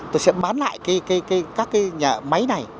tôi sẽ bán lại các máy này